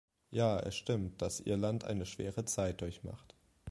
Ja, es stimmt, dass Irland eine schwere Zeit durchmacht.